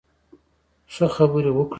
ښه، خبرې وکړئ